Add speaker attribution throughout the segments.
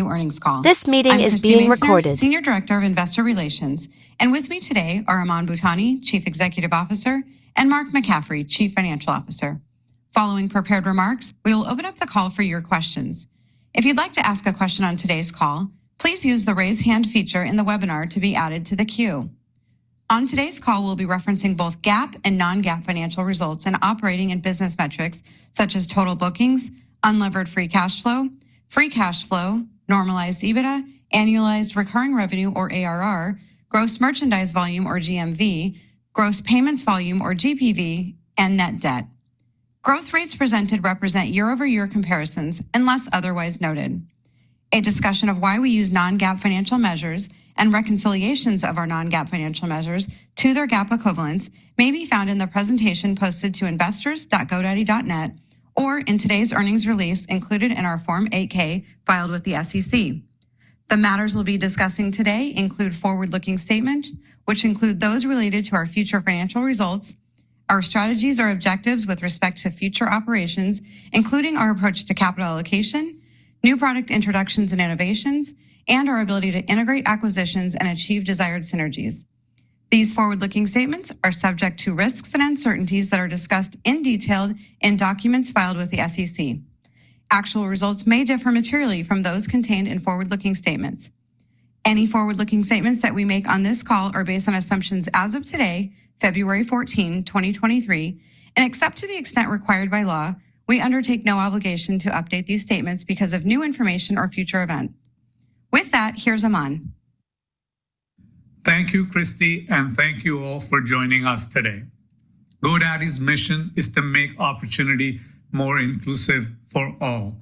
Speaker 1: Q earnings call
Speaker 2: This meeting is being recorded.
Speaker 1: Senior Director of Investor Relations, and with me today are Aman Bhutani, Chief Executive Officer, and Mark McCaffrey, Chief Financial Officer. Following prepared remarks, we will open up the call for your questions. If you'd like to ask a question on today's call, please use the Raise Hand feature in the webinar to be added to the queue. On today's call, we'll be referencing both GAAP and non-GAAP financial results and operating and business metrics such as total bookings, unlevered free cash flow, free cash flow, normalized EBITDA, annualized recurring revenue or ARR, gross merchandise volume or GMV, gross payments volume or GPV, and net debt. Growth rates presented represent year-over-year comparisons unless otherwise noted. A discussion of why we use non-GAAP financial measures and reconciliations of our non-GAAP financial measures to their GAAP equivalents may be found in the presentation posted to investors.godaddy.net or in today's earnings release included in our Form 8-K filed with the SEC. The matters we'll be discussing today include forward-looking statements which include those related to our future financial results, our strategies or objectives with respect to future operations, including our approach to capital allocation, new product introductions and innovations, and our ability to integrate acquisitions and achieve desired synergies. These forward-looking statements are subject to risks and uncertainties that are discussed in detail in documents filed with the SEC. Actual results may differ materially from those contained in forward-looking statements. Any forward-looking statements that we make on this call are based on assumptions as of today, February 14, 2023, and except to the extent required by law, we undertake no obligation to update these statements because of new information or future events. With that, here's Aman.
Speaker 3: Thank you, Christy, and thank you all for joining us today. GoDaddy's mission is to make opportunity more inclusive for all.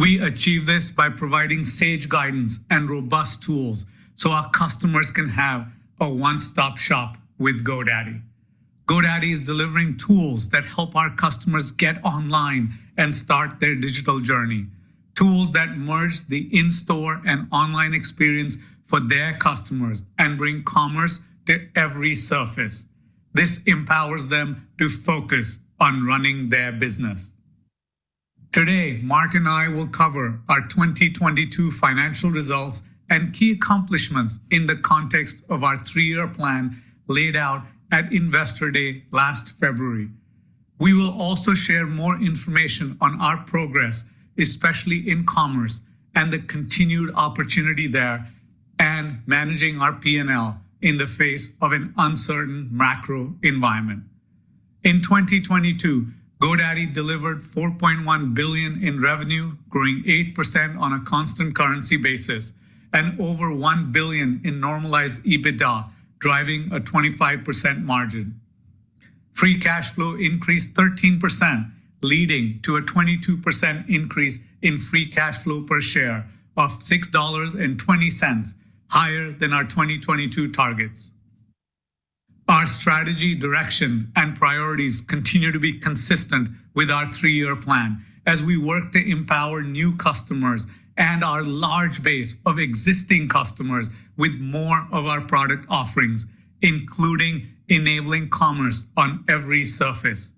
Speaker 3: We achieve this by providing sage guidance and robust tools so our customers can have a one-stop shop with GoDaddy. GoDaddy is delivering tools that help our customers get online and start their digital journey. Tools that merge the in-store and online experience for their customers and bring commerce to every surface. This empowers them to focus on running their business. Today, Mark and I will cover our 2022 financial results and key accomplishments in the context of our three-year plan laid out at Investor Day last February. We will also share more information on our progress, especially in commerce and the continued opportunity there, and managing our P&L in the face of an uncertain macro environment. In 2022, GoDaddy delivered $4.1 billion in revenue, growing 8% on a constant currency basis, and over $1 billion in normalized EBITDA, driving a 25% margin. Free cash flow increased 13%, leading to a 22% increase in free cash flow per share of $6.20, higher than our 2022 targets. Our strategy, direction, and priorities continue to be consistent with our three-year plan as we work to empower new customers and our large base of existing customers with more of our product offerings, including enabling commerce on every surface.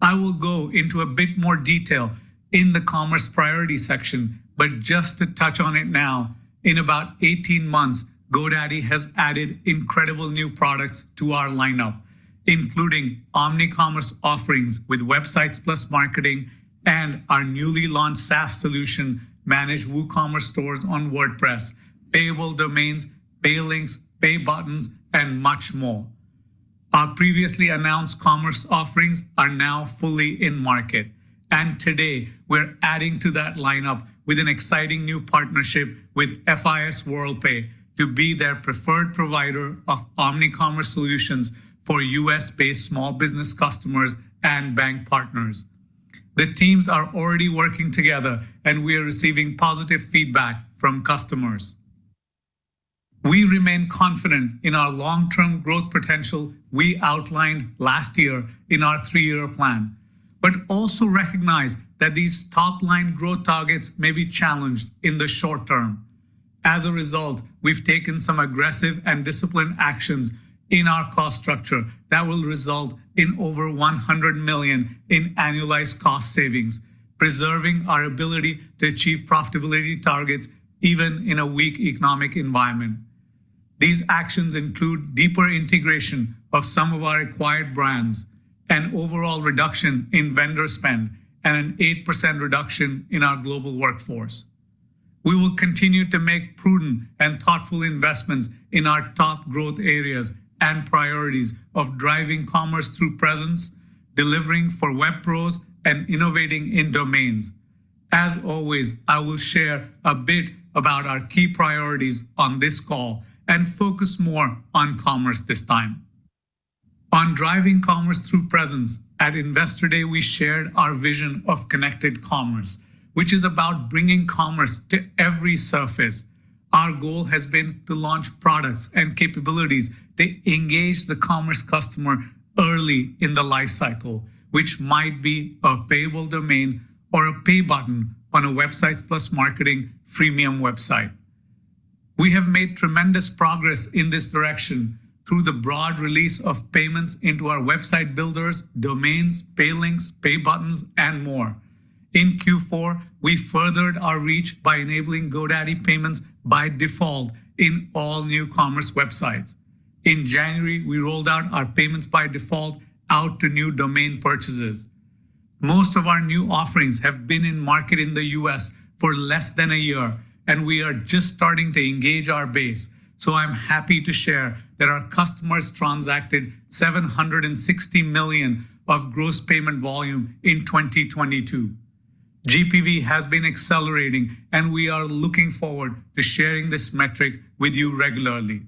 Speaker 3: I will go into a bit more detail in the commerce priority section, but just to touch on it now, in about 18 months, GoDaddy has added incredible new products to our lineup, including OmniCommerce offerings with Websites + Marketing and our newly launched SaaS solution, Managed WooCommerce Stores on WordPress, Payable Domains, Pay Links, Pay Buttons, and much more. Our previously announced commerce offerings are now fully in market, and today we're adding to that lineup with an exciting new partnership with FIS Worldpay to be their preferred provider of OmniCommerce solutions for U.S.-based small business customers and bank partners. The teams are already working together, and we are receiving positive feedback from customers. We remain confident in our long-term growth potential we outlined last year in our three-year plan, but also recognize that these top-line growth targets may be challenged in the short term. As a result, we've taken some aggressive and disciplined actions in our cost structure that will result in over $100 million in annualized cost savings, preserving our ability to achieve profitability targets even in a weak economic environment. These actions include deeper integration of some of our acquired brands, an overall reduction in vendor spend, and an 8% reduction in our global workforce. We will continue to make prudent and thoughtful investments in our top growth areas and priorities of driving commerce through presence, delivering for web pros, and innovating in domains. I will share a bit about our key priorities on this call and focus more on commerce this time. On driving commerce through presence at Investor Day, we shared our vision of connected commerce, which is about bringing commerce to every surface. Our goal has been to launch products and capabilities that engage the commerce customer early in the life cycle, which might be a Payable Domains or a Pay Buttons on a Websites + Marketing freemium website. We have made tremendous progress in this direction through the broad release of payments into our website builders, domains, Pay Links, Pay Buttons and more. In Q4, we furthered our reach by enabling GoDaddy Payments by default in all new commerce websites. In January, we rolled out our payments by default out to new domain purchases. Most .f our new offerings have been in market in the U.S. for less than a year, and we are just starting to engage our base. I'm happy to share that our customers transacted $760 million of gross payment volume in 2022. GPV has been accelerating, and we are looking forward to sharing this metric with you regularly.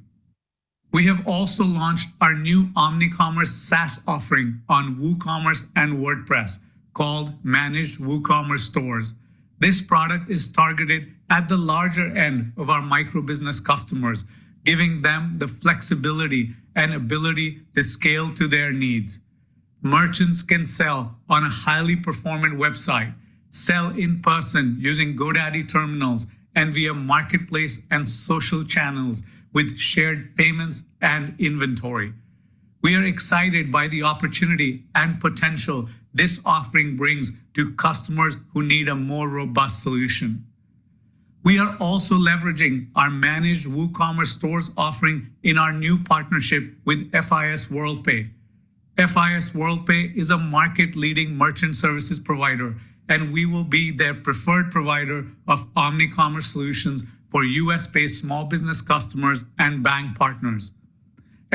Speaker 3: We have also launched our new OmniCommerce SaaS offering on WooCommerce and WordPress called Managed WooCommerce Stores. This product is targeted at the larger end of our micro business customers, giving them the flexibility and ability to scale to their needs. Merchants can sell on a highly performing website, sell in person using Smart Terminal and via marketplace and social channels with shared payments and inventory. We are excited by the opportunity and potential this offering brings to customers who need a more robust solution. We are also leveraging our Managed WooCommerce Stores offering in our new partnership with FIS Worldpay. FIS Worldpay is a market leading merchant services provider, and we will be their preferred provider of OmniCommerce solutions for U.S.-based small business customers and bank partners.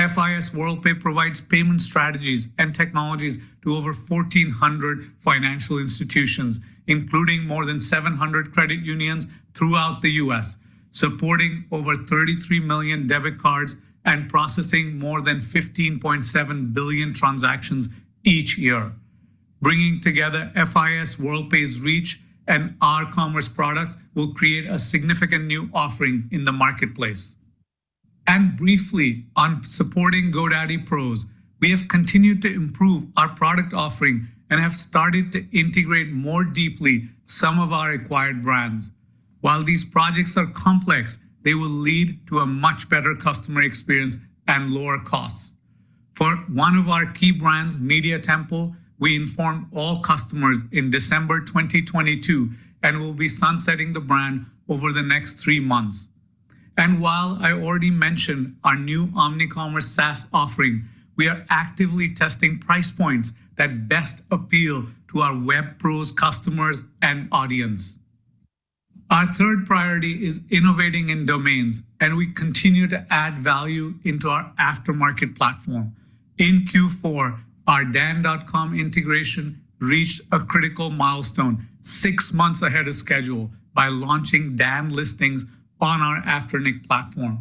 Speaker 3: FIS Worldpay provides payment strategies and technologies to over 1,400 financial institutions, including more than 700 credit unions throughout the US, supporting over 33 million debit cards and processing more than 15.7 billion transactions each year. Bringing together FIS Worldpay's reach and our commerce products will create a significant new offering in the marketplace. Briefly on supporting GoDaddy Pros, we have continued to improve our product offering and have started to integrate more deeply some of our acquired brands. While these projects are complex, they will lead to a much better customer experience and lower costs. For one of our key brands, Media Temple, we inform all customers in December 2022 and will be sunsetting the brand over the next three months. While I already mentioned our new OmniCommerce SaaS offering, we are actively testing price points that best appeal to our GoDaddy Pros customers and audience. Our third priority is innovating in domains, and we continue to add value into our aftermarket platform. In Q4, our Dan.com integration reached a critical milestone six months ahead of schedule by launching Dan listings on our Afternic platform.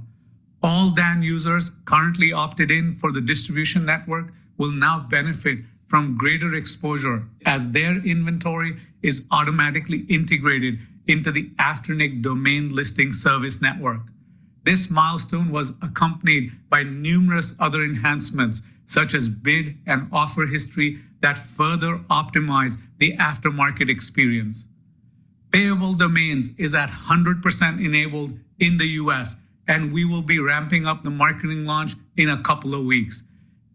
Speaker 3: All Dan users currently opted in for the distribution network will now benefit from greater exposure as their inventory is automatically integrated into the Afternic domain listing service network. This milestone was accompanied by numerous other enhancements, such as bid and offer history that further optimize the aftermarket experience. Payable Domains is at 100% enabled in the U.S., and we will be ramping up the marketing launch in a couple of weeks.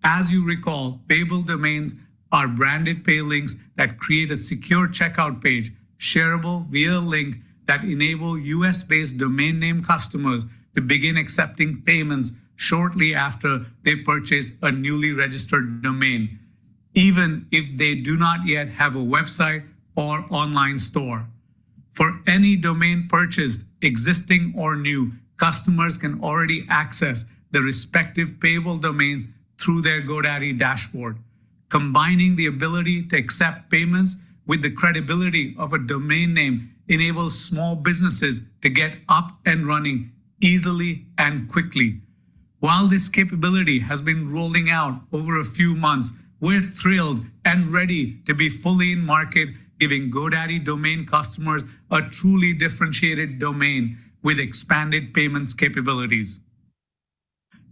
Speaker 3: As you recall, Payable Domains are branded Pay Links that create a secure checkout page, shareable via link that enable U.S.-based domain name customers to begin accepting payments shortly after they purchase a newly registered domain, even if they do not yet have a website or online store. For any domain purchased, existing or new, customers can already access the respective Payable Domain through their GoDaddy dashboard. Combining the ability to accept payments with the credibility of a domain name enables small businesses to get up and running easily and quickly. While this capability has been rolling out over a few months, we're thrilled and ready to be fully in market, giving GoDaddy domain customers a truly differentiated domain with expanded payments capabilities.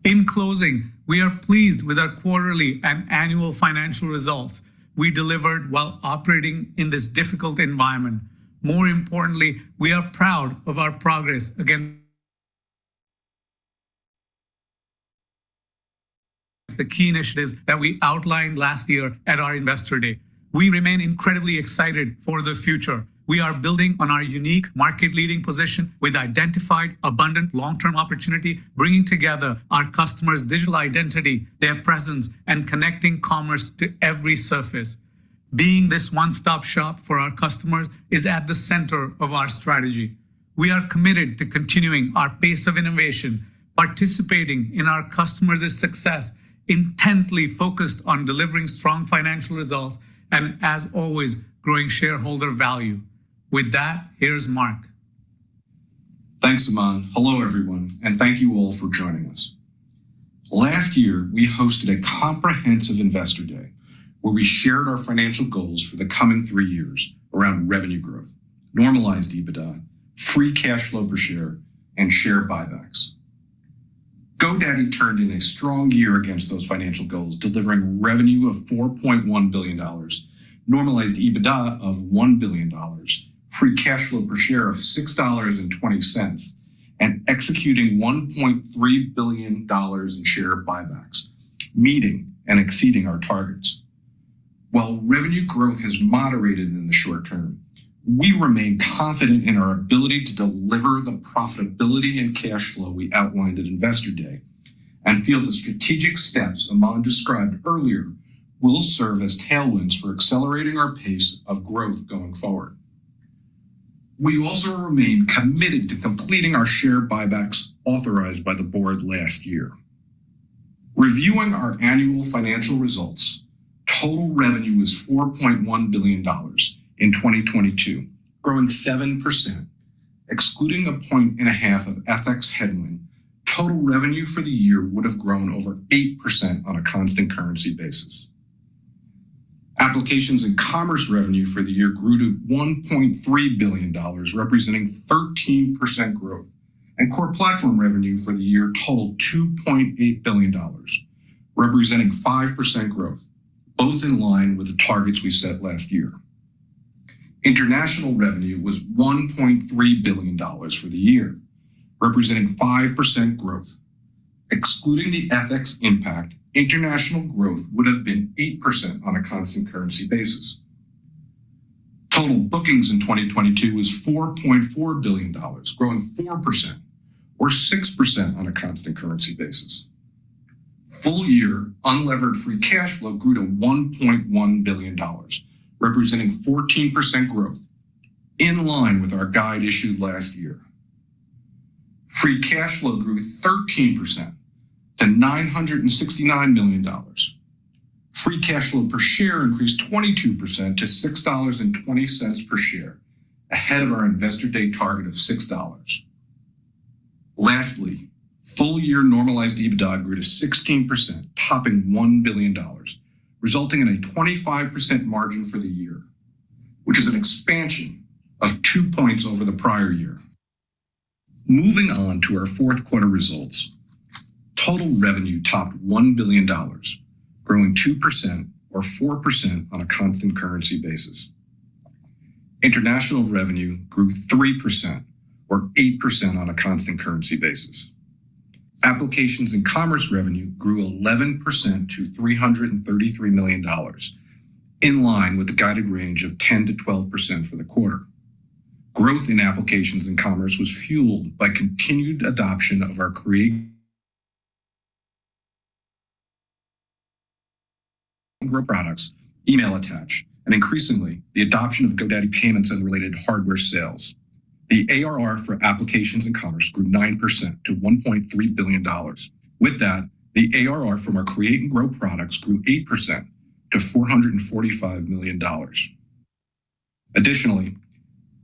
Speaker 3: In closing, we are pleased with our quarterly and annual financial results we delivered while operating in this difficult environment. More importantly, we are proud of our progress against the key initiatives that we outlined last year at our Investor Day. We remain incredibly excited for the future. We are building on our unique market leading position with identified, abundant long-term opportunity, bringing together our customers digital identity, their presence, and connecting commerce to every surface. Being this one-stop-shop for our customers is at the center of our strategy. We are committed to continuing our pace of innovation, participating in our customers' success intently focused on delivering strong financial results and as always, growing shareholder value. With that, here's Mark.
Speaker 2: Thanks, Aman. Hello, everyone, and thank you all for joining us. Last year, we hosted a comprehensive Investor Day where we shared our financial goals for the coming three years around revenue growth, normalized EBITDA, free cash flow per share, and share buybacks. GoDaddy turned in a strong year against those financial goals, delivering revenue of $4.1 billion, normalized EBITDA of $1 billion, free cash flow per share of $6.20, and executing $1.3 billion in share buybacks, meeting and exceeding our targets. While revenue growth has moderated in the short term, we remain confident in our ability to deliver the profitability and cash flow we outlined at Investor Day and feel the strategic steps Aman described earlier will serve as tailwinds for accelerating our pace of growth going forward. We also remain committed to completing our share buybacks authorized by the board last year. Reviewing our annual financial results, total revenue was $4.1 billion in 2022, growing 7%. Excluding a point and a half of FX headwind, total revenue for the year would have grown over 8% on a constant currency basis. Applications and Commerce revenue for the year grew to $1.3 billion, representing 13% growth, and Core Platform revenue for the year totaled $2.8 billion, representing 5% growth, both in line with the targets we set last year. International revenue was $1.3 billion for the year, representing 5% growth. Excluding the FX impact, international growth would have been 8% on a constant currency basis. Total bookings in 2022 was $4.4 billion, growing 4% or 6% on a constant currency basis. Full year unlevered free cash flow grew to $1.1 billion, representing 14% growth in line with our guide issued last year. Free cash flow grew 13% to $969 million. Free cash flow per share increased 22% to $6.20 per share ahead of our investor day target of $6. Lastly, full year normalized EBITDA grew to 16%, topping $1 billion, resulting in a 25% margin for the year, which is an expansion of 2 points over the prior year. Moving on to our fourth quarter results. Total revenue topped $1 billion, growing 2% or 4% on a constant currency basis. International revenue grew 3% or 8% on a constant currency basis. Applications and Commerce revenue grew 11% to $333 million in line with the guided range of 10%-12% for the quarter. Growth in Applications and Commerce was fueled by continued adoption of our Create and Grow products, Email Attach, and increasingly the adoption of GoDaddy Payments and related hardware sales. The ARR for Applications and Commerce grew 9% to $1.3 billion. With that, the ARR from our Create and Grow products grew 8% to $445 million. Additionally,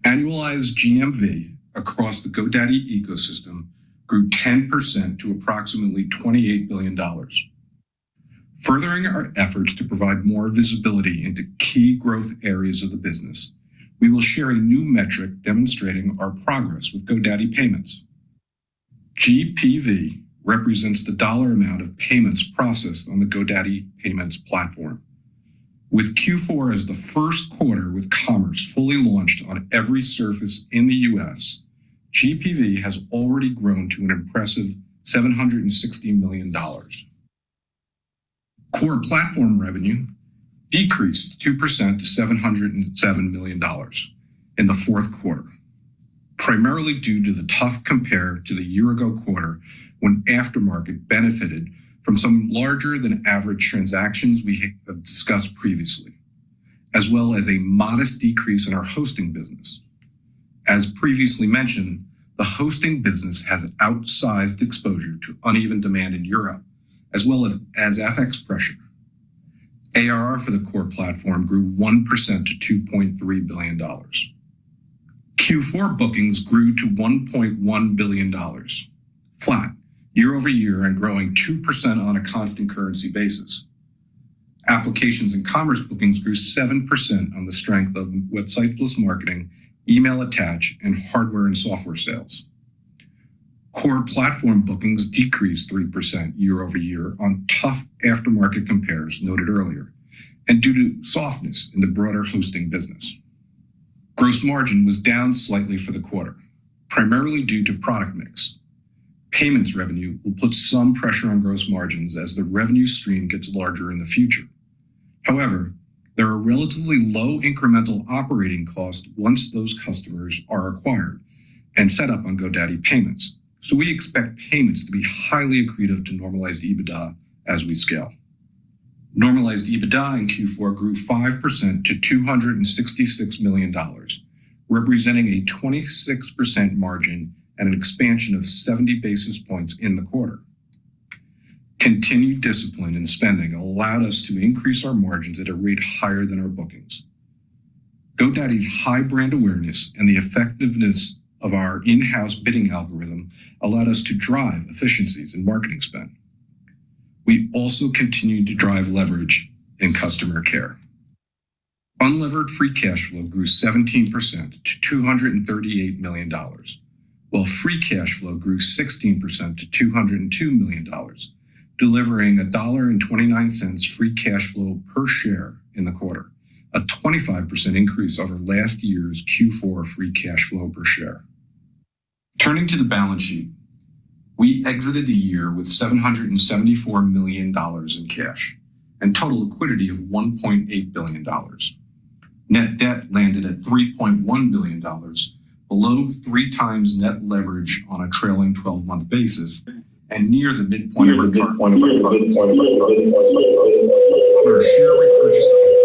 Speaker 2: annualized GMV across the GoDaddy ecosystem grew 10% to approximately $28 billion. Furthering our efforts to provide more visibility into key growth areas of the business, we will share a new metric demonstrating our progress with GoDaddy Payments. GPV represents the dollar amount of payments processed on the GoDaddy Payments platform. With Q4 as the first quarter with commerce fully launched on every surface in the U.S., GPV has already grown to an impressive $760 million. Core Platform revenue decreased 2% to $707 million in the fourth quarter, primarily due to the tough compare to the year-ago quarter when Afternic benefited from some larger than average transactions we have discussed previously, as well as a modest decrease in our hosting business. As previously mentioned, the hosting business has an outsized exposure to uneven demand in Europe as well as FX pressure. ARR for the Core Platform grew 1% to $2.3 billion. Q4 bookings grew to $1.1 billion flat year-over-year and growing 2% on a constant currency basis. Applications and Commerce bookings grew 7% on the strength of Websites + Marketing, Email & Office, and hardware and software sales. Core Platform bookings decreased 3% year-over-year on tough aftermarket compares noted earlier and due to softness in the broader hosting business. Gross margin was down slightly for the quarter, primarily due to product mix. Payments revenue will put some pressure on gross margins as the revenue stream gets larger in the future. There are relatively low incremental operating costs once those customers are acquired and set up on GoDaddy Payments. We expect payments to be highly accretive to normalized EBITDA as we scale. Normalized EBITDA in Q4 grew 5% to $266 million, representing a 26% margin and an expansion of 70 basis points in the quarter. Continued discipline in spending allowed us to increase our margins at a rate higher than our bookings. GoDaddy's high brand awareness and the effectiveness of our in-house bidding algorithm allowed us to drive efficiencies in marketing spend. We also continued to drive leverage in customer care. Unlevered free cash flow grew 17% to $238 million, while free cash flow grew 16% to $202 million, delivering $1.29 free cash flow per share in the quarter, a 25% increase over last year's Q4 free cash flow per share. Turning to the balance sheet, we exited the year with $774 million in cash and total liquidity of $1.8 billion. Net debt landed at $3.1 billion, below three times net leverage on a trailing twelve-month basis and near the midpoint of the target. Our share repurchase program, we've returned $158 million of cash to shareholders.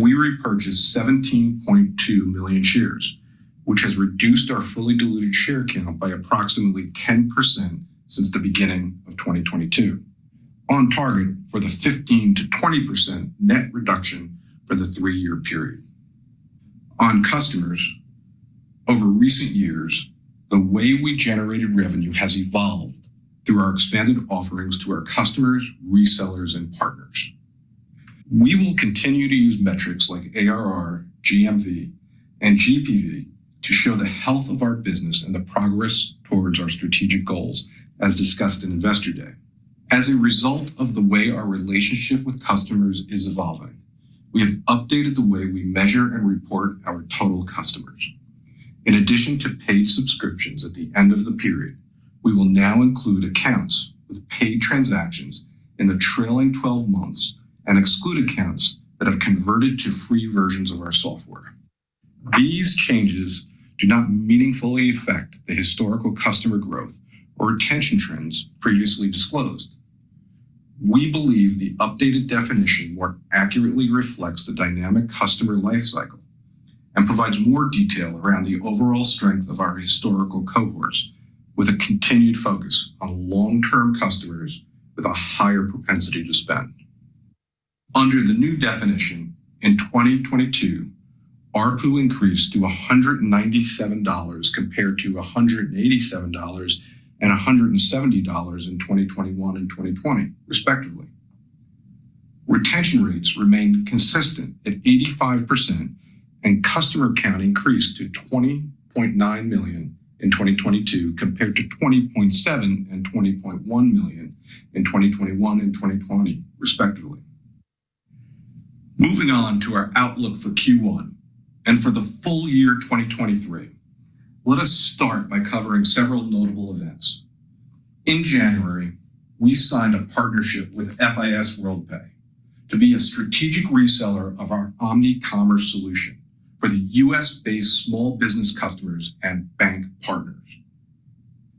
Speaker 2: We repurchased 17.2 million shares, which has reduced our fully diluted share count by approximately 10% since the beginning of 2022, on target for the 15%-20% net reduction for the three-year period. Customers, over recent years, the way we generated revenue has evolved through our expanded offerings to our customers, resellers, and partners. We will continue to use metrics like ARR, GMV, and GPV to show the health of our business and the progress towards our strategic goals as discussed in Investor Day. As a result of the way our relationship with customers is evolving, we have updated the way we measure and report our total customers. In addition to paid subscriptions at the end of the period, we will now include accounts with paid transactions in the trailing 12 months and exclude accounts that have converted to free versions of our software. These changes do not meaningfully affect the historical customer growth or retention trends previously disclosed. We believe the updated definition more accurately reflects the dynamic customer life cycle and provides more detail around the overall strength of our historical cohorts with a continued focus on long-term customers with a higher propensity to spend. Under the new definition, in 2022, ARPU increased to $197 compared to $187 and $170 in 2021 and 2020, respectively. Retention rates remained consistent at 85%, and customer count increased to 20.9 million in 2022 compared to 20.7 and 20.1 million in 2021 and 2020, respectively. Moving on to our outlook for Q1 and for the full year 2023, let us start by covering several notable events. In January, we signed a partnership with FIS Worldpay to be a strategic reseller of our OmniCommerce solution for the U.S.-based small business customers and bank partners.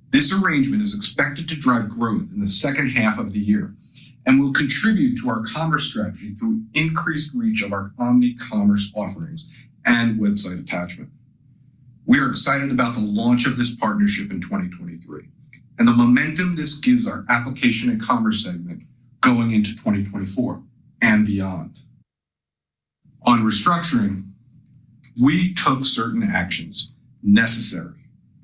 Speaker 2: This arrangement is expected to drive growth in the second half of the year and will contribute to our commerce strategy through increased reach of our OmniCommerce offerings and website attachment. We are excited about the launch of this partnership in 2023 and the momentum this gives our Applications and Commerce segment going into 2024 and beyond. On restructuring, we took certain actions necessary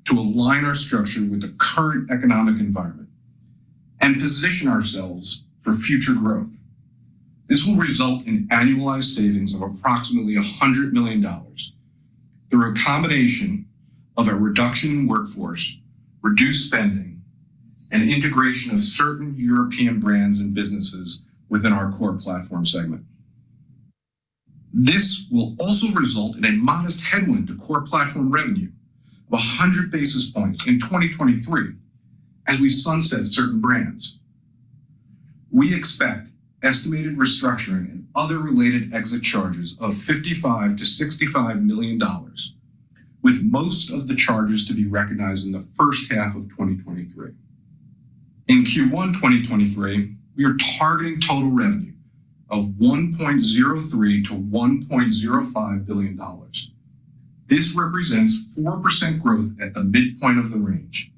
Speaker 2: to align our structure with the current economic environment and position ourselves for future growth. This will result in annualized savings of approximately $100 million through a combination of a reduction in workforce, reduced spending, and integration of certain European brands and businesses within our Core Platform segment. This will also result in a modest headwind to Core Platform revenue of 100 basis points in 2023 as we sunset certain brands. We expect estimated restructuring and other related exit charges of $55 million-$65 million, with most of the charges to be recognized in the first half of 2023. In Q1 2023, we are targeting total revenue of $1.03 billion-$1.05 billion. This represents 4% growth at the midpoint of the range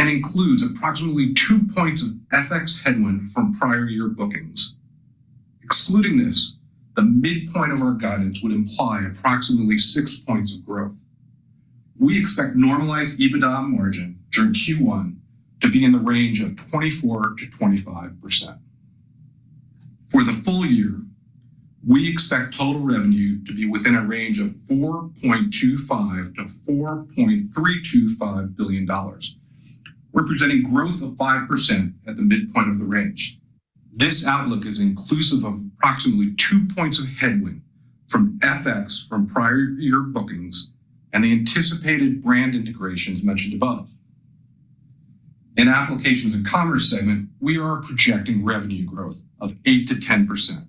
Speaker 2: and includes approximately 2 points of FX headwind from prior year bookings. Excluding this, the midpoint of our guidance would imply approximately 6 points of growth. We expect normalized EBITDA margin during Q1 to be in the range of 24%-25%. For the full year, we expect total revenue to be within a range of $4.25 billion-$4.325 billion, representing growth of 5% at the midpoint of the range. This outlook is inclusive of approximately 2 points of headwind from FX from prior year bookings and the anticipated brand integrations mentioned above. In Applications and Commerce segment, we are projecting revenue growth of 8%-10%.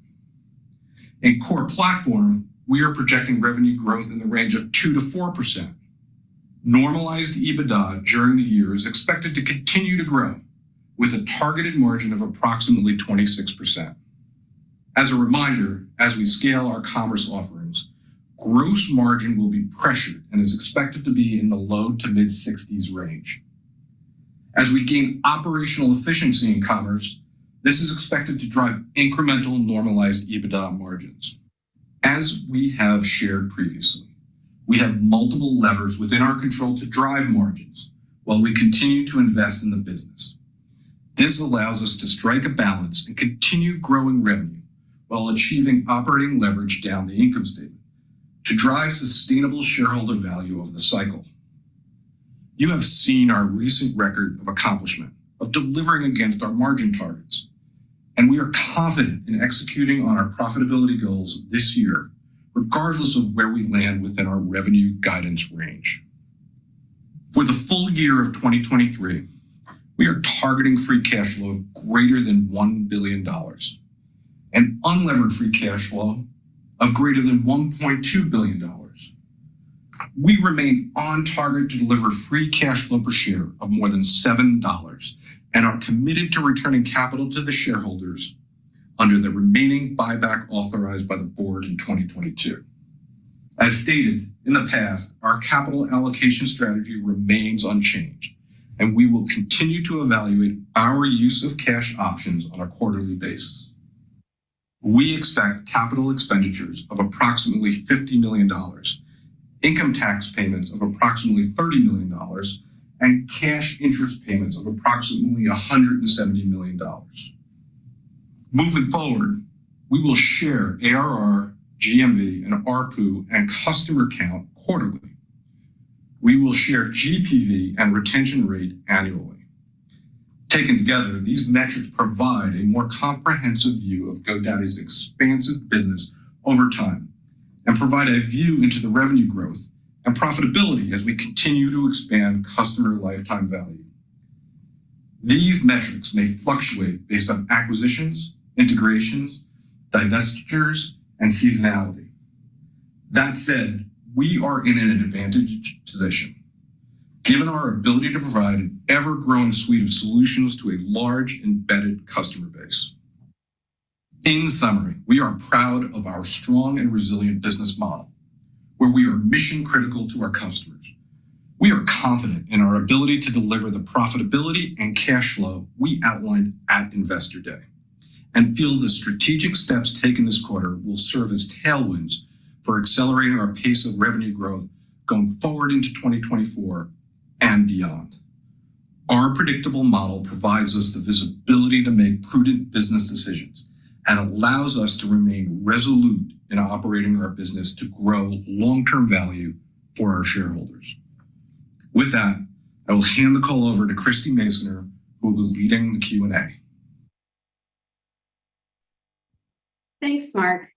Speaker 2: In Core Platform, we are projecting revenue growth in the range of 2%-4%. Normalized EBITDA during the year is expected to continue to grow with a targeted margin of approximately 26%. As a reminder, as we scale our commerce offerings, gross margin will be pressured and is expected to be in the low to mid-60s range. As we gain operational efficiency in commerce, this is expected to drive incremental normalized EBITDA margins. As we have shared previously, we have multiple levers within our control to drive margins while we continue to invest in the business. This allows us to strike a balance and continue growing revenue while achieving operating leverage down the income statement to drive sustainable shareholder value over the cycle. You have seen our recent record of accomplishment of delivering against our margin targets, and we are confident in executing on our profitability goals this year regardless of where we land within our revenue guidance range. For the full year of 2023, we are targeting free cash flow greater than $1 billion and unlevered free cash flow of greater than $1.2 billion. We remain on target to deliver free cash flow per share of more than $7 and are committed to returning capital to the shareholders under the remaining buyback authorized by the board in 2022. As stated, in the past, our capital allocation strategy remains unchanged, and we will continue to evaluate our use of cash options on a quarterly basis. We expect capital expenditures of approximately $50 million, income tax payments of approximately $30 million, and cash interest payments of approximately $170 million. Moving forward, we will share ARR, GMV, and ARPU and customer count quarterly. We will share GPV and retention rate annually. Taken together, these metrics provide a more comprehensive view of GoDaddy's expansive business over time and provide a view into the revenue growth and profitability as we continue to expand customer lifetime value. These metrics may fluctuate based on acquisitions, integrations, divestitures, and seasonality. We are in an advantaged position given our ability to provide an ever-growing suite of solutions to a large embedded customer base. We are proud of our strong and resilient business model, where we are mission-critical to our customers. We are confident in our ability to deliver the profitability and cash flow we outlined at Investor Day and feel the strategic steps taken this quarter will serve as tailwinds for accelerating our pace of revenue growth going forward into 2024 and beyond. Our predictable model provides us the visibility to make prudent business decisions and allows us to remain resolute in operating our business to grow long-term value for our shareholders. With that, I will hand the call over to Christie Masoner, who will be leading the Q&A.
Speaker 1: Thanks, Mark.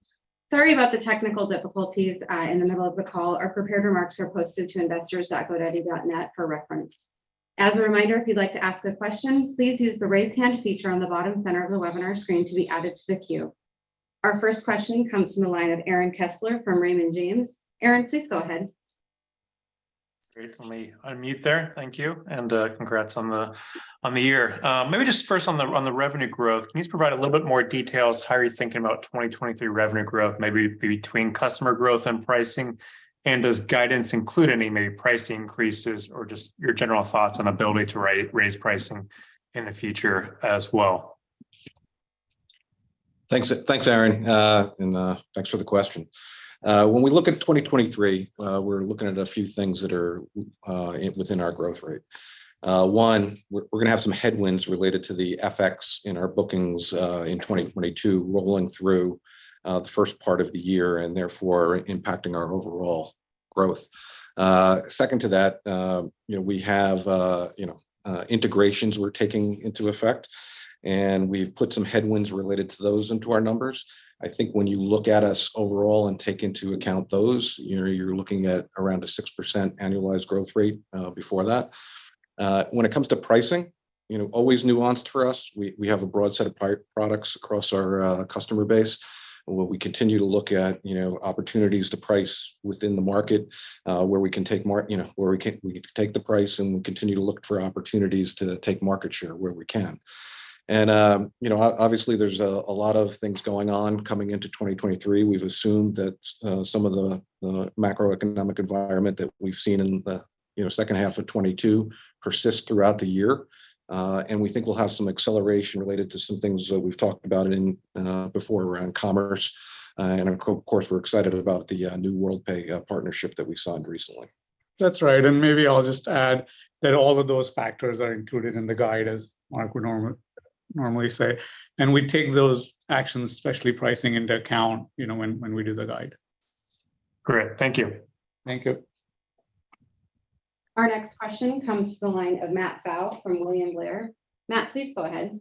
Speaker 1: Sorry about the technical difficulties in the middle of the call. Our prepared remarks are posted to investors.godaddy.net for reference. As a reminder, if you'd like to ask a question, please use the Raise Hand feature on the bottom center of the webinar screen to be added to the queue. Our first question comes from the line of Aaron Kessler from Raymond James. Aaron, please go ahead.
Speaker 4: Great. Let me unmute there. Thank you, and congrats on the year. Maybe just first on the revenue growth. Can you just provide a little bit more details how you're thinking about 2023 revenue growth, maybe between customer growth and pricing? Does guidance include any maybe price increases or just your general thoughts on ability to raise pricing in the future as well?
Speaker 2: Thanks, Aaron. Thanks for the question. When we look at 2023, we're looking at a few things that are within our growth rate. One, we're gonna have some headwinds related to the FX in our bookings in 2022 rolling through the first part of the year and therefore impacting our overall growth. Second to that, you know, we have, you know, integrations we're taking into effect, we've put some headwinds related to those into our numbers. I think when you look at us overall and take into account those, you know, you're looking at around a 6% annualized growth rate before that. When it comes to pricing, you know, always nuanced for us. We have a broad set of products across our customer base. We continue to look at, you know, opportunities to price within the market, where we can take, you know, where we can take the price, and we continue to look for opportunities to take market share where we can. You know, obviously, there's a lot of things going on coming into 2023. We've assumed that some of the macroeconomic environment that we've seen in the, you know, second half of 2022 persists throughout the year. We think we'll have some acceleration related to some things that we've talked about before around commerce. Of course, we're excited about the New Worldpay partnership that we signed recently.
Speaker 3: That's right. Maybe I'll just add that all of those factors are included in the guide, as Mark would normally say. We take those actions, especially pricing, into account, you know, when we do the guide.
Speaker 4: Great. Thank you.
Speaker 3: Thank you.
Speaker 1: Our next question comes from the line of Matt Pfau from William Blair. Matt, please go ahead.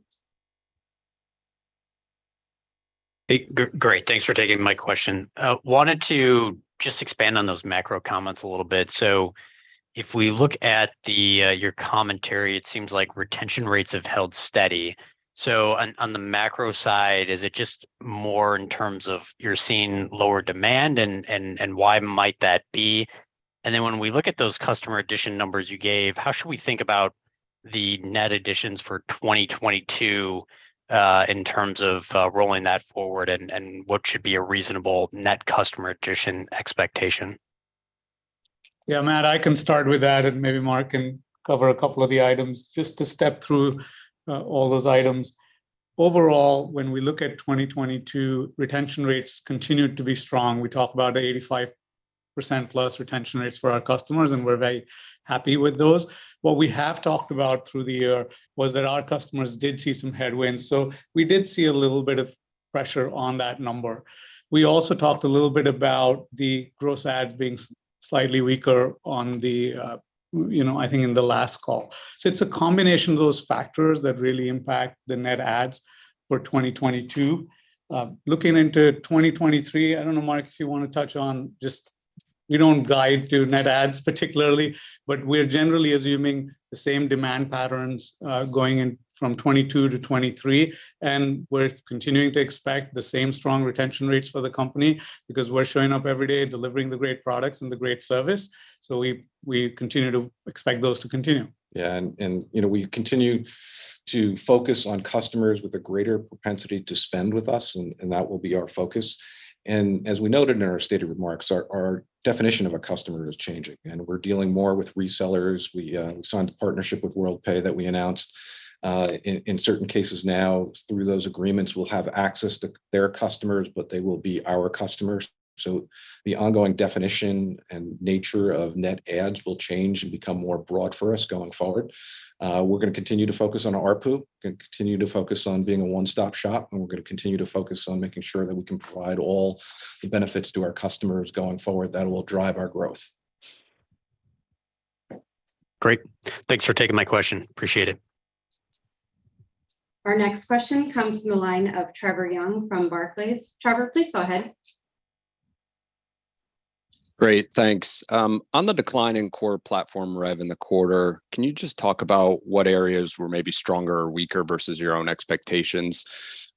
Speaker 5: Hey, great. Thanks for taking my question. Wanted to just expand on those macro comments a little bit. If we look at your commentary, it seems like retention rates have held steady. On the macro side, is it just more in terms of you're seeing lower demand and why might that be? When we look at those customer addition numbers you gave, how should we think about... The net additions for 2022, in terms of, rolling that forward and what should be a reasonable net customer addition expectation.
Speaker 3: Matt, I can start with that, and maybe Mark can cover a couple of the items. Just to step through all those items. Overall, when we look at 2022, retention rates continued to be strong. We talked about 85%+ retention rates for our customers, and we're very happy with those. What we have talked about through the year was that our customers did see some headwinds. We did see a little bit of pressure on that number. We also talked a little bit about the gross adds being slightly weaker on the, you know, I think in the last call. It's a combination of those factors that really impact the net adds for 2022. Looking into 2023, I don't know, Mark, if you wanna touch on just we don't guide to net adds particularly, but we're generally assuming the same demand patterns going in from '22 to '23, and we're continuing to expect the same strong retention rates for the company because we're showing up every day, delivering the great products and the great service. We continue to expect those to continue.
Speaker 2: Yeah. You know, we continue to focus on customers with a greater propensity to spend with us, and that will be our focus. As we noted in our stated remarks, our definition of a customer is changing, and we're dealing more with resellers. We signed a partnership with Worldpay that we announced. In certain cases now, through those agreements, we'll have access to their customers, but they will be our customers. The ongoing definition and nature of net adds will change and become more broad for us going forward. We're gonna continue to focus on ARPU. We're gonna continue to focus on being a one-stop shop, and we're gonna continue to focus on making sure that we can provide all the benefits to our customers going forward that will drive our growth.
Speaker 5: Great. Thanks for taking my question. Appreciate it.
Speaker 1: Our next question comes from the line of Trevor Young from Barclays. Trevor, please go ahead.
Speaker 6: Great. Thanks. On the decline in Core Platform rev in the quarter, can you just talk about what areas were maybe stronger or weaker versus your own expectations?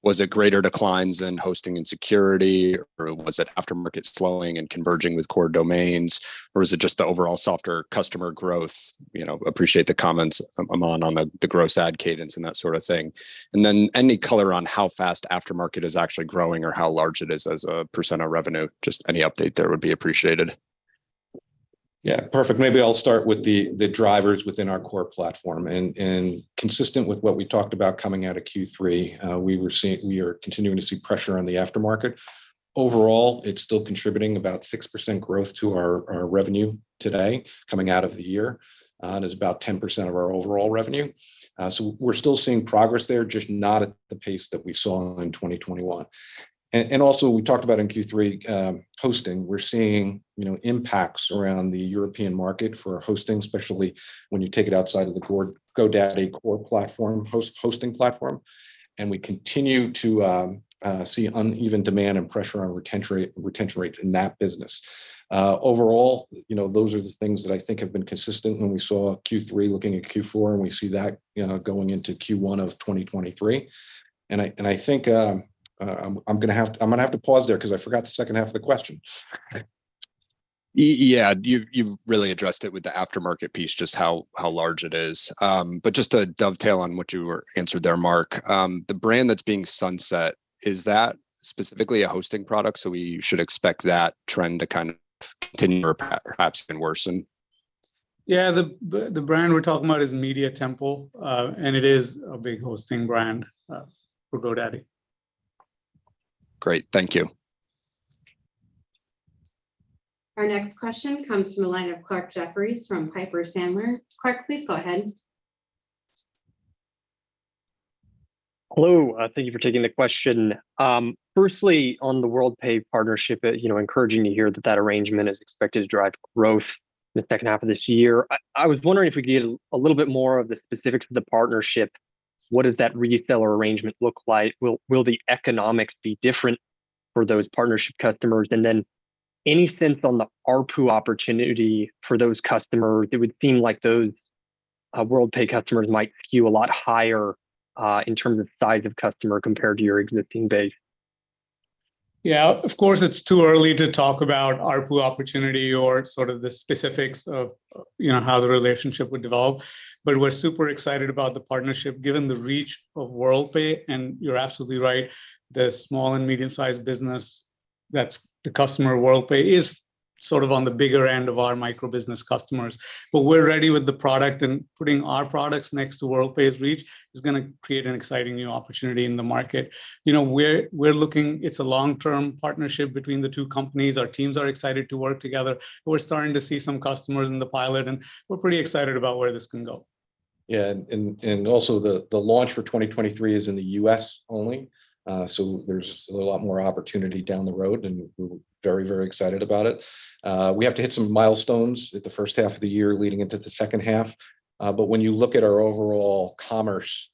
Speaker 6: Was it greater declines in hosting and security, or was it Afternic slowing and converging with core domains? Or is it just the overall softer customer growth? You know, appreciate the comments, Aman, on the gross add cadence and that sort of thing. Any color on how fast Afternic is actually growing or how large it is as a % of revenue? Just any update there would be appreciated.
Speaker 2: Yeah. Perfect. Maybe I'll start with the drivers within our Core Platform. Consistent with what we talked about coming out of Q3, we are continuing to see pressure on the Aftermarket. Overall, it's still contributing about 6% growth to our revenue today coming out of the year, and is about 10% of our overall revenue. We're still seeing progress there, just not at the pace that we saw in 2021. We talked about in Q3, hosting. We're seeing, you know, impacts around the European market for hosting, especially when you take it outside of the core GoDaddy Core Platform, hosting platform. We continue to see uneven demand and pressure on retention rates in that business. Overall, you know, those are the things that I think have been consistent when we saw Q3 looking at Q4, and we see that, you know, going into Q1 of 2023. I think I'm gonna have to pause there 'cause I forgot the second half of the question.
Speaker 6: Yeah. You've really addressed it with the aftermarket piece, just how large it is. Just to dovetail on what you were answered there, Mark, the brand that's being sunset, is that specifically a hosting product, so we should expect that trend to kind of continue or perhaps even worsen?
Speaker 3: Yeah. The brand we're talking about is Media Temple, and it is a big hosting brand for GoDaddy.
Speaker 6: Great. Thank you.
Speaker 1: Our next question comes from the line of Clarke Jeffries from Piper Sandler. Clark, please go ahead.
Speaker 7: Hello. Thank you for taking the question. Firstly, on the Worldpay partnership, you know, encouraging to hear that that arrangement is expected to drive growth in the second half of this year. I was wondering if we could get a little bit more of the specifics of the partnership. What does that reseller arrangement look like? Will the economics be different for those partnership customers? Then any sense on the ARPU opportunity for those customers? It would seem like those Worldpay customers might skew a lot higher in terms of size of customer compared to your existing base.
Speaker 3: Yeah. Of course, it's too early to talk about ARPU opportunity or sort of the specifics of, you know, how the relationship would develop. We're super excited about the partnership given the reach of Worldpay, and you're absolutely right, the small and medium-sized business that's the customer of Worldpay is sort of on the bigger end of our micro-business customers. We're ready with the product, and putting our products next to Worldpay's reach is gonna create an exciting new opportunity in the market. You know, we're looking. It's a long-term partnership between the two companies. Our teams are excited to work together. We're starting to see some customers in the pilot, and we're pretty excited about where this can go.
Speaker 2: Yeah. Also, the launch for 2023 is in the U.S. only, so there's a lot more opportunity down the road, and we're very, very excited about it. We have to hit some milestones at the first half of the year leading into the second half. When you look at our overall commerce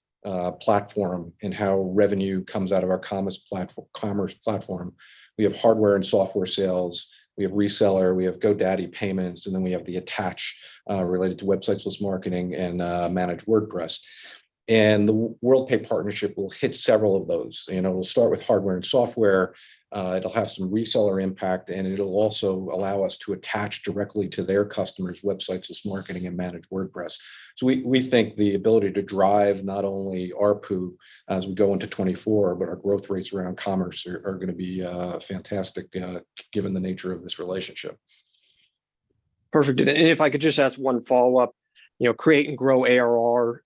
Speaker 2: platform and how revenue comes out of our commerce platform, we have hardware and software sales, we have reseller, we have GoDaddy Payments, and then we have the attach related to Websites + Marketing and Managed WordPress. The Worldpay partnership will hit several of those. You know, we'll start with hardware and software, it'll have some reseller impact, and it'll also allow us to attach directly to their customers' Websites + Marketing and Managed WordPress. we think the ability to drive not only ARPU as we go into 2024, but our growth rates around commerce are gonna be fantastic, given the nature of this relationship.
Speaker 7: Perfect. If I could just ask one follow-up. You know, Create and Grow ARR,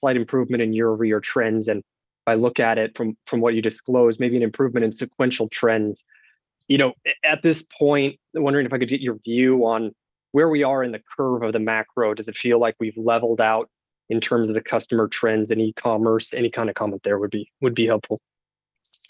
Speaker 7: slight improvement in year-over-year trends, and if I look at it from what you disclosed, maybe an improvement in sequential trends. You know, at this point, I'm wondering if I could get your view on where we are in the curve of the macro. Does it feel like we've leveled out in terms of the customer trends in e-commerce? Any kind of comment there would be, would be helpful.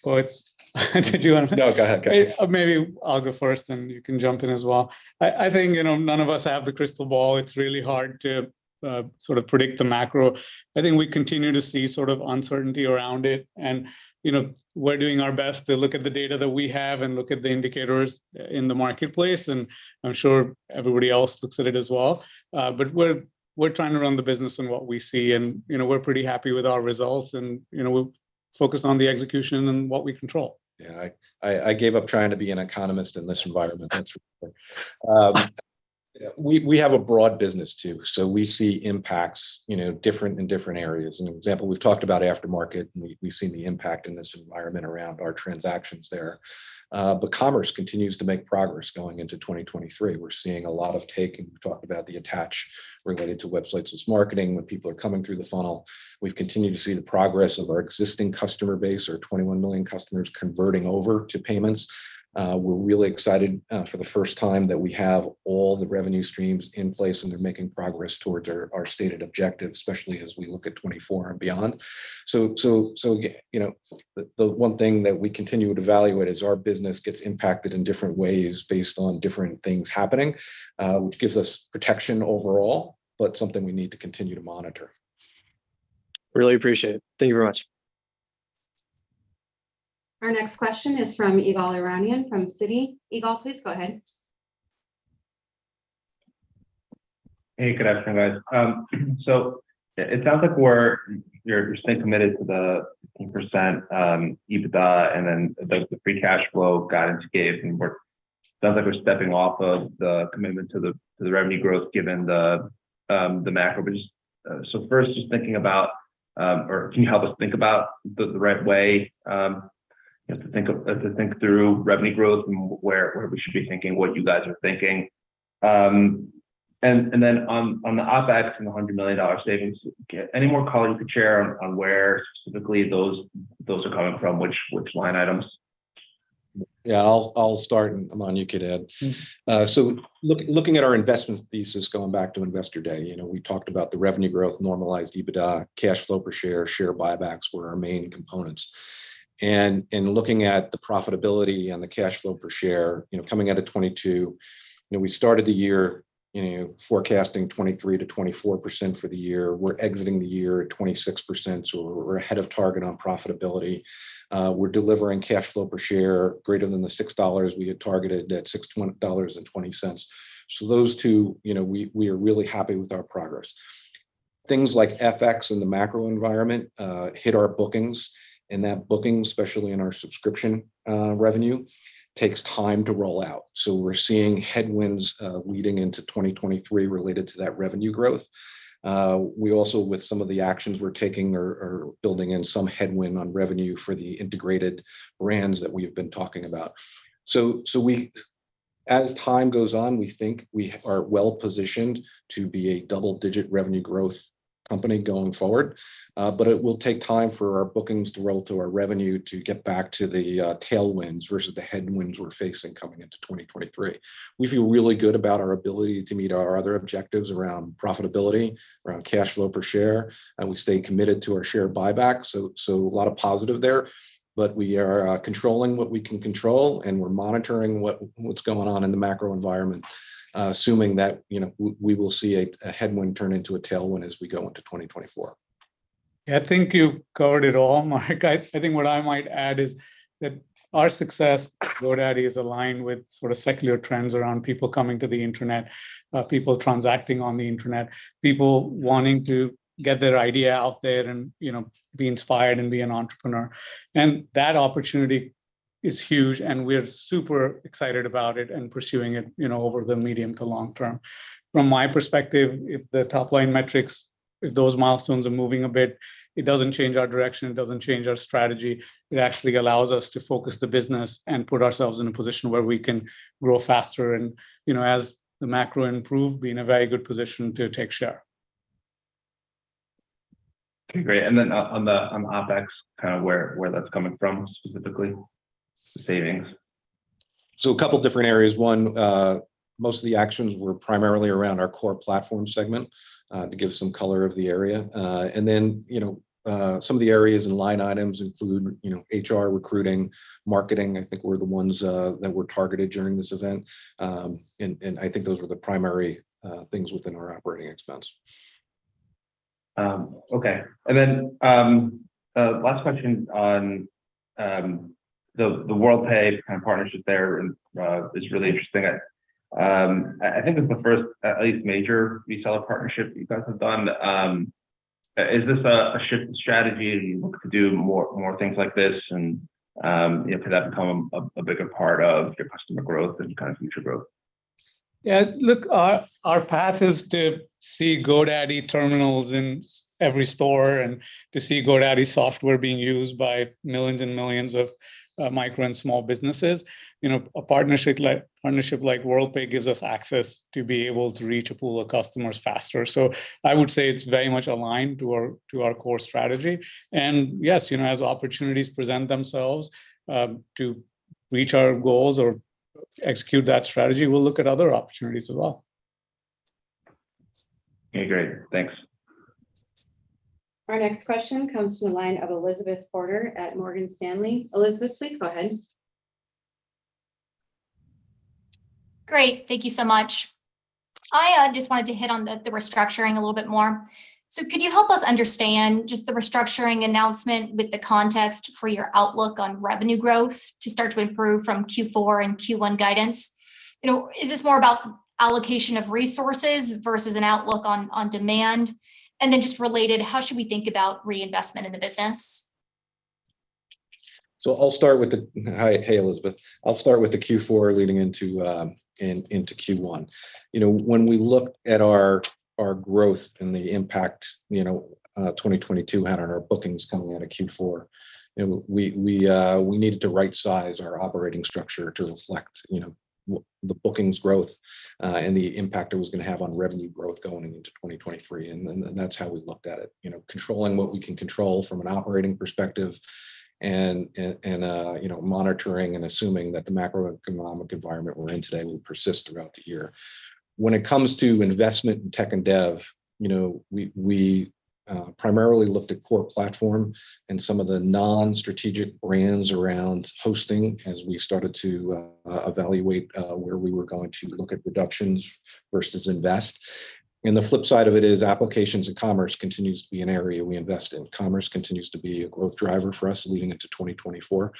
Speaker 3: Well, it's... Did you wanna-
Speaker 2: No, go ahead, guys.
Speaker 3: Maybe I'll go first, and you can jump in as well. I think, you know, none of us have the crystal ball. It's really hard to sort of predict the macro. I think we continue to see sort of uncertainty around it, and, you know, we're doing our best to look at the data that we have and look at the indicators in the marketplace. I'm sure everybody else looks at it as well. We're trying to run the business on what we see and, you know, we're pretty happy with our results and, you know, we're focused on the execution and what we control.
Speaker 2: Yeah, I gave up trying to be an economist in this environment. That's for sure. We have a broad business too, so we see impacts, you know, different in different areas. An example, we've talked about Afternic, and we've seen the impact in this environment around our transactions there. Commerce continues to make progress going into 2023. We're seeing a lot of take, and we've talked about the attach related to Websites + Marketing, when people are coming through the funnel. We've continued to see the progress of our existing customer base, our 21 million customers converting over to payments. We're really excited for the first time that we have all the revenue streams in place, and they're making progress towards our stated objectives, especially as we look at 2024 and beyond. So, you know, the one thing that we continue to evaluate is our business gets impacted in different ways based on different things happening, which gives us protection overall, but something we need to continue to monitor.
Speaker 7: Really appreciate it. Thank you very much.
Speaker 1: Our next question is from Yigal Arounian from Citi. Yigal, please go ahead.
Speaker 8: Hey, good afternoon, guys. It sounds like you're staying committed to the 15% EBITDA, and then the free cash flow guidance gave, and sounds like we're stepping off of the commitment to the revenue growth given the macro business. First, just thinking about, or can you help us think about the right way, you know, to think through revenue growth and where we should be thinking what you guys are thinking? Then on the OpEx and the $100 million savings, any more color you could share on where specifically those are coming from, which line items?
Speaker 2: Yeah, I'll start, Aman, you could add.
Speaker 3: Mm-hmm.
Speaker 2: looking at our investment thesis going back to Investor Day, you know, we talked about the revenue growth, normalized EBITDA, cash flow per share buybacks were our main components. Looking at the profitability and the cash flow per share, you know, coming out of 2022, you know, we started the year, you know, forecasting 23%-24% for the year. We're exiting the year at 26%, so we're ahead of target on profitability. We're delivering cash flow per share greater than the $6 we had targeted at $6.20. Those two, you know, we are really happy with our progress. Things like FX and the macro environment hit our bookings, and that booking, especially in our subscription revenue, takes time to roll out. We're seeing headwinds leading into 2023 related to that revenue growth. We also, with some of the actions we're taking, are building in some headwind on revenue for the integrated brands that we've been talking about. As time goes on, we think we are well-positioned to be a double-digit revenue growth company going forward, but it will take time for our bookings to roll through our revenue to get back to the tailwinds versus the headwinds we're facing coming into 2023. We feel really good about our ability to meet our other objectives around profitability, around cash flow per share, and we stay committed to our share buyback. A lot of positive there. We are controlling what we can control, and we're monitoring what's going on in the macro environment, assuming that, you know, we will see a headwind turn into a tailwind as we go into 2024.
Speaker 3: Yeah, I think you covered it all, Mark. I think what I might add is that our success at GoDaddy is aligned with sort of secular trends around people coming to the internet, people transacting on the internet, people wanting to get their idea out there and, you know, be inspired and be an entrepreneur. That opportunity is huge, and we're super excited about it and pursuing it, you know, over the medium to long term. From my perspective, if the top-line metrics, if those milestones are moving a bit, it doesn't change our direction, it doesn't change our strategy. It actually allows us to focus the business and put ourselves in a position where we can grow faster and, you know, as the macro improve, be in a very good position to take share.
Speaker 8: Okay, great. on the OpEx, kind of where that's coming from specifically, the savings?
Speaker 2: A couple different areas. One, most of the actions were primarily around our Core Platform segment, to give some color of the area. Then, you know, some of the areas and line items include, you know, HR, recruiting, marketing, I think were the ones that were targeted during this event. I think those were the primary things within our operating expense.
Speaker 8: Okay. Last question on the Worldpay kind of partnership there is really interesting.
Speaker 9: I think it's the first, at least major reseller partnership you guys have done. Is this a shift in strategy? Are you looking to do more things like this and, you know, could that become a bigger part of your customer growth and kind of future growth?
Speaker 3: Look, our path is to see Smart Terminal in every store and to see GoDaddy software being used by millions and millions of micro and small businesses. You know, a partnership like Worldpay gives us access to be able to reach a pool of customers faster. I would say it's very much aligned to our core strategy. Yes, you know, as opportunities present themselves, to reach our goals or execute that strategy, we'll look at other opportunities as well.
Speaker 9: Okay, great. Thanks.
Speaker 1: Our next question comes from the line of Elizabeth Porter at Morgan Stanley. Elizabeth, please go ahead.
Speaker 10: Great, thank you so much. I just wanted to hit on the restructuring a little bit more. Could you help us understand just the restructuring announcement with the context for your outlook on revenue growth to start to improve from Q4 and Q1 guidance? You know, is this more about allocation of resources versus an outlook on demand? Just related, how should we think about reinvestment in the business?
Speaker 2: I'll start with the... Hi. Hey, Elizabeth. I'll start with the Q4 leading into Q1. You know, when we look at our growth and the impact, you know, 2022 had on our bookings coming out of Q4, you know, we needed to rightsize our operating structure to reflect, you know, the bookings growth and the impact it was gonna have on revenue growth going into 2023. That's how we looked at it, you know, controlling what we can control from an operating perspective and, you know, monitoring and assuming that the macroeconomic environment we're in today will persist throughout the year. When it comes to investment in tech and dev, you know, we primarily looked at Core Platform and some of the non-strategic brands around hosting as we started to evaluate where we were going to look at reductions versus invest. In the flip side of it is Applications and Commerce continues to be an area we invest in. Commerce continues to be a growth driver for us leading into 2024.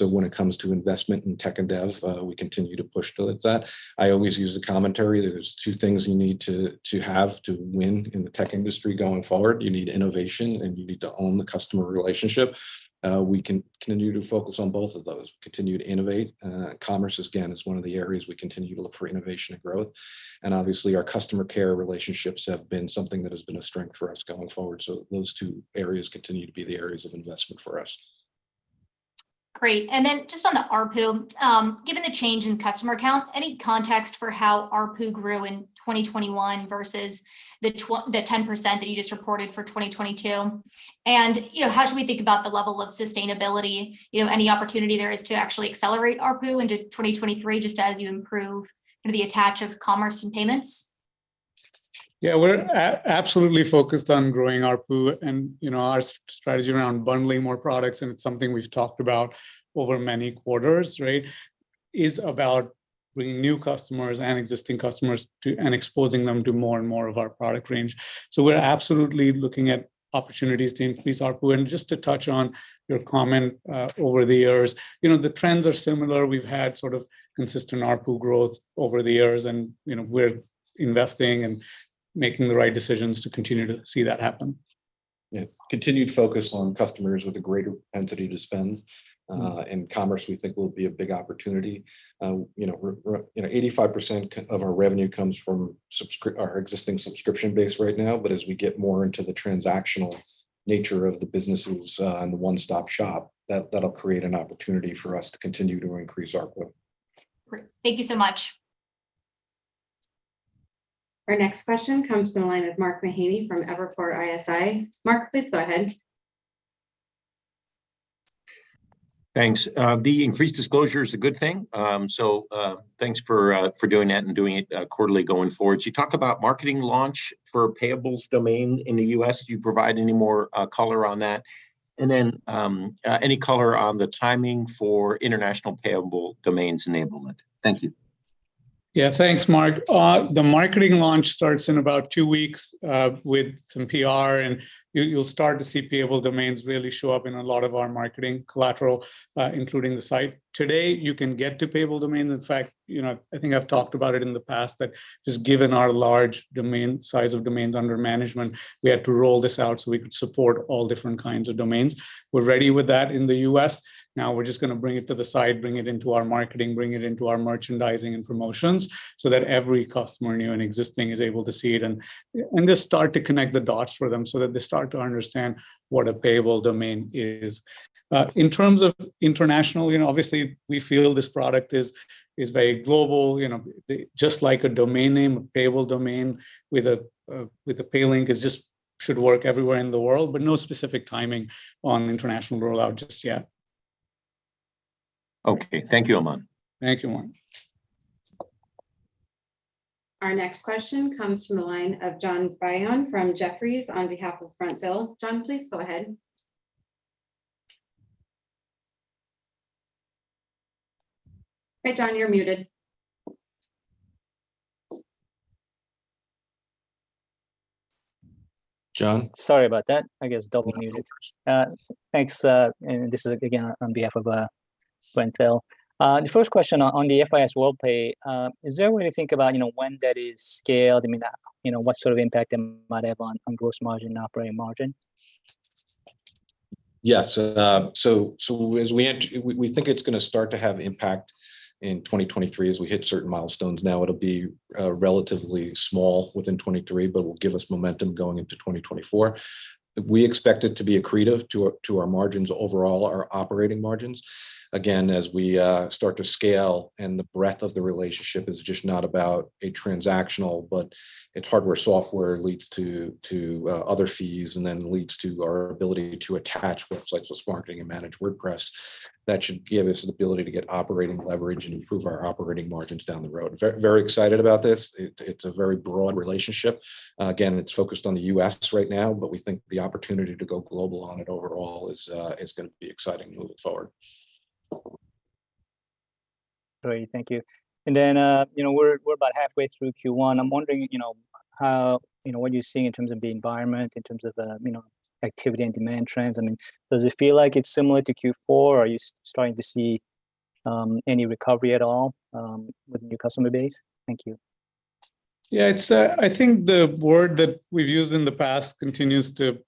Speaker 2: When it comes to investment in tech and dev, we continue to push towards that. I always use the commentary that there's two things you need to have to win in the tech industry going forward. You need innovation, and you need to own the customer relationship. We continue to focus on both of those. We continue to innovate. Commerce, again, is one of the areas we continue to look for innovation and growth. Obviously, our customer care relationships have been something that has been a strength for us going forward. Those two areas continue to be the areas of investment for us.
Speaker 10: Great. Just on the ARPU, given the change in customer count, any context for how ARPU grew in 2021 versus the 10% that you just reported for 2022? You know, how should we think about the level of sustainability? You know, any opportunity there is to actually accelerate ARPU into 2023 just as you improve kind of the attach of commerce and payments?
Speaker 3: Yeah. We're absolutely focused on growing ARPU, you know, our strategy around bundling more products, and it's something we've talked about over many quarters, right, is about bringing new customers and existing customers to and exposing them to more and more of our product range. We're absolutely looking at opportunities to increase ARPU. Just to touch on your comment, over the years, you know, the trends are similar. We've had sort of consistent ARPU growth over the years, and, you know, we're investing and making the right decisions to continue to see that happen.
Speaker 2: Yeah. Continued focus on customers with a greater propensity to spend. Commerce we think will be a big opportunity. You know, we're You know, 85% of our revenue comes from our existing subscription base right now. As we get more into the transactional nature of the businesses, and the one-stop shop, that'll create an opportunity for us to continue to increase ARPU.
Speaker 10: Great. Thank you so much.
Speaker 1: Our next question comes from the line of Mark Mahaney from Evercore ISI. Mark, please go ahead.
Speaker 9: Thanks. The increased disclosure is a good thing, so thanks for doing that and doing it quarterly going forward. You talk about marketing launch for Payable Domains in the U.S. Could you provide any more color on that? Any color on the timing for international Payable Domains enablement? Thank you.
Speaker 3: Thanks, Mark. The marketing launch starts in about two weeks, with some PR, and you'll start to see Payable Domains really show up in a lot of our marketing collateral, including the site. Today, you can get to Payable Domains. In fact, you know, I think I've talked about it in the past that just given our large domain, size of domains under management, we had to roll this out so we could support all different kinds of domains. We're ready with that in the U.S. Now we're just gonna bring it to the site, bring it into our marketing, bring it into our merchandising and promotions so that every customer, new and existing, is able to see it and just start to connect the dots for them so that they start to understand what a Payable Domain is. In terms of international, you know, obviously, we feel this product is very global. You know, Just like a domain name, a payable domain with a with a pay link is just should work everywhere in the world, but no specific timing on international rollout just yet.
Speaker 9: Okay. Thank you, Aman.
Speaker 3: Thank you, Mark.
Speaker 1: Our next question comes from the line of John Byun from Jefferies on behalf of Frontville. John, please go ahead. Hey, John, you're muted.
Speaker 3: John
Speaker 11: Sorry about that. I guess double muted. Thanks. This is, again, on behalf of Wentel. The first question on the FIS Worldpay, is there a way to think about, you know, when that is scaled? I mean, you know, what sort of impact it might have on gross margin and operating margin?
Speaker 2: Yes. As we think it's gonna start to have impact in 2023 as we hit certain milestones. Now, it'll be relatively small within 2023, but it'll give us momentum going into 2024. We expect it to be accretive to our margins overall, our operating margins. Again, as we start to scale and the breadth of the relationship is just not about a transactional, but it's hardware, software leads to other fees and then leads to our ability to attach Websites + Marketing and Managed WordPress. That should give us the ability to get operating leverage and improve our operating margins down the road. Very, very excited about this. It, it's a very broad relationship. Again, it's focused on the U.S. right now, but we think the opportunity to go global on it overall is gonna be exciting moving forward.
Speaker 11: Great. Thank you. Then, you know, we're about halfway through Q1. I'm wondering, you know, how, you know, what you're seeing in terms of the environment, in terms of, you know, activity and demand trends. I mean, does it feel like it's similar to Q4? Are you starting to see any recovery at all with the new customer base? Thank you.
Speaker 3: Yeah. It's, I think the word that we've used in the past continues to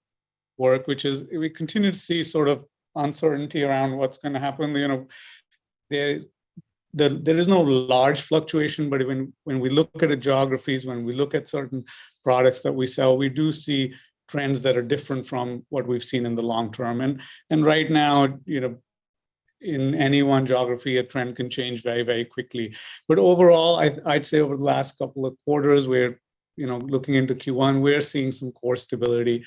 Speaker 3: work, which is we continue to see sort of uncertainty around what's gonna happen. You know, there is no large fluctuation, but when we look at the geographies, when we look at certain products that we sell, we do see trends that are different from what we've seen in the long term. Right now, you know, in any one geography, a trend can change very, very quickly. Overall, I'd say over the last couple of quarters, we're, you know, looking into Q1, we're seeing some core stability,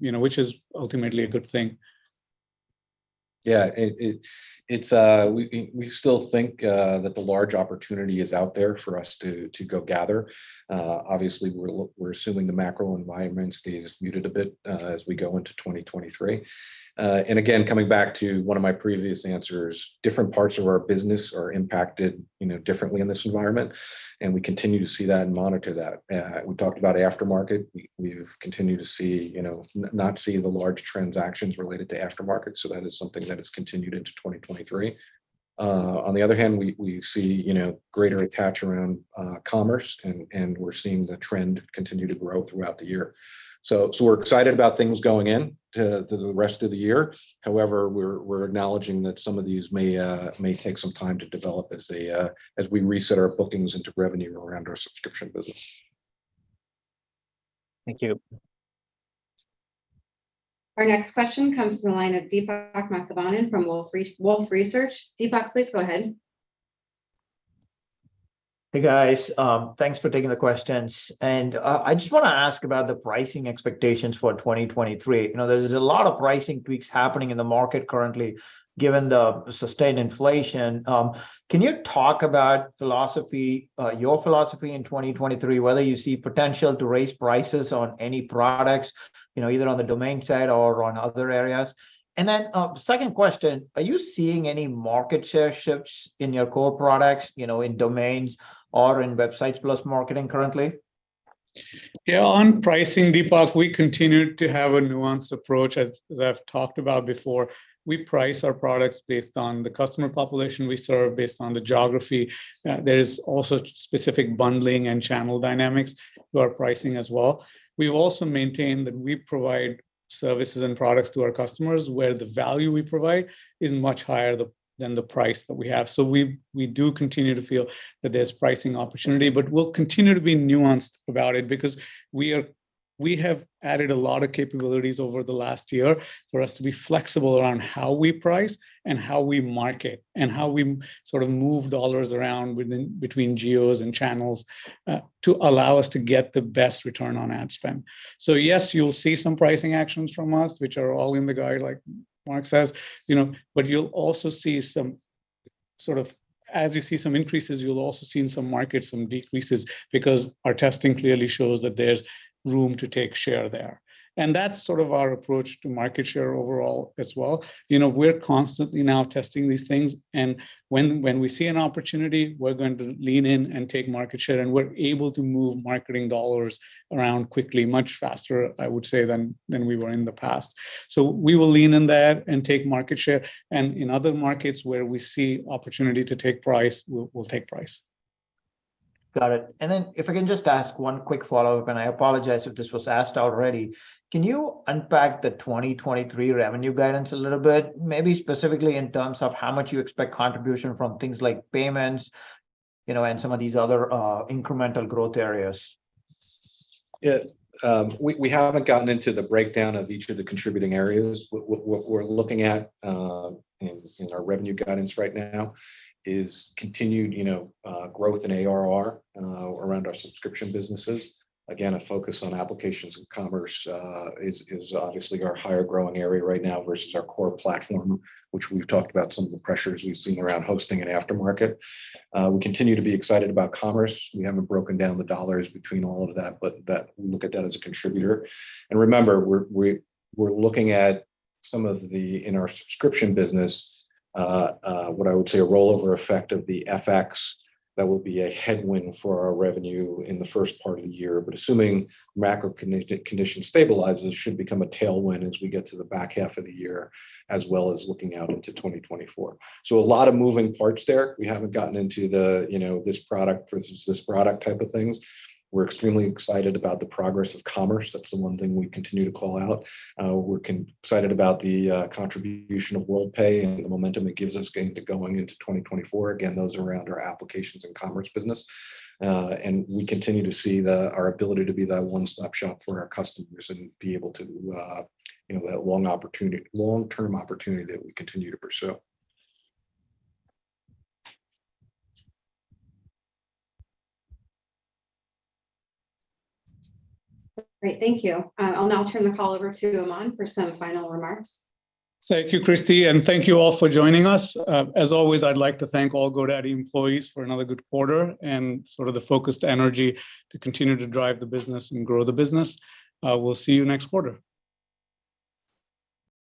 Speaker 3: you know, which is ultimately a good thing.
Speaker 2: Yeah. It's. We still think that the large opportunity is out there for us to go gather. Obviously, we're assuming the macro environment stays muted a bit as we go into 2023. Again, coming back to one of my previous answers, different parts of our business are impacted, you know, differently in this environment, and we continue to see that and monitor that. We talked about Afternic. We've continued to see, you know, not seeing the large transactions related to Afternic, so that is something that has continued into 2023. On the other hand, we see, you know, greater attach around commerce and we're seeing the trend continue to grow throughout the year. We're excited about things going in to the rest of the year. However, we're acknowledging that some of these may take some time to develop as they as we reset our bookings into revenue around our subscription business.
Speaker 11: Thank you.
Speaker 1: Our next question comes from the line of Deepak Mathivanan from Wolfe Research. Deepak, please go ahead.
Speaker 12: Hey, guys. Thanks for taking the questions. I just wanna ask about the pricing expectations for 2023. You know, there's a lot of pricing tweaks happening in the market currently given the sustained inflation. Can you talk about philosophy, your philosophy in 2023, whether you see potential to raise prices on any products, you know, either on the domain side or on other areas? Second question, are you seeing any market share shifts in your core products, you know, in domains or in Websites + Marketing currently?
Speaker 3: On pricing, Deepak, we continue to have a nuanced approach. As I've talked about before, we price our products based on the customer population we serve, based on the geography. There is also specific bundling and channel dynamics to our pricing as well. We also maintain that we provide services and products to our customers where the value we provide is much higher than the price that we have. We do continue to feel that there's pricing opportunity, but we'll continue to be nuanced about it because we have added a lot of capabilities over the last year for us to be flexible around how we price and how we market and how we sort of move dollars around within, between geos and channels, to allow us to get the best return on ad spend. Yes, you'll see some pricing actions from us, which are all in the guide, like Mark says, you know, but you'll also see some sort of. As you see some increases, you'll also see in some markets some decreases because our testing clearly shows that there's room to take share there. That's sort of our approach to market share overall as well. You know, we're constantly now testing these things, and when we see an opportunity, we're going to lean in and take market share, and we're able to move marketing dollars around quickly, much faster, I would say, than we were in the past. We will lean in there and take market share. In other markets where we see opportunity to take price, we'll take price.
Speaker 12: Got it. If I can just ask one quick follow-up, and I apologize if this was asked already. Can you unpack the 2023 revenue guidance a little bit, maybe specifically in terms of how much you expect contribution from things like payments, you know, and some of these other incremental growth areas?
Speaker 2: Yeah. We haven't gotten into the breakdown of each of the contributing areas. What we're looking at, in our revenue guidance right now is continued, you know, growth in ARR around our subscription businesses. Again, a focus on Applications and Commerce is obviously our higher growing area right now versus our Core Platform, which we've talked about some of the pressures we've seen around hosting and aftermarket. We continue to be excited about commerce. We haven't broken down the dollars between all of that, but that, we look at that as a contributor. Remember, we're looking at some of the, in our subscription business, what I would say a rollover effect of the FX that will be a headwind for our revenue in the first part of the year. Assuming macro conditions stabilizes should become a tailwind as we get to the back half of the year, as well as looking out into 2024. A lot of moving parts there. We haven't gotten into the, you know, this product versus this product type of things. We're extremely excited about the progress of commerce. That's the one thing we continue to call out. We're excited about the contribution of Worldpay and the momentum it gives us getting to going into 2024. Again, those around our Applications and Commerce business. We continue to see the, our ability to be that one-stop shop for our customers and be able to, you know, that long-term opportunity that we continue to pursue.
Speaker 1: Great. Thank you. I'll now turn the call over to Aman for some final remarks.
Speaker 3: Thank you, Christie, and thank you all for joining us. As always, I'd like to thank all GoDaddy employees for another good quarter and sort of the focused energy to continue to drive the business and grow the business. We'll see you next quarter.